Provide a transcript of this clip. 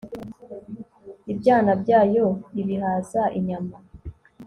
ibyana byayo ibihaza inyama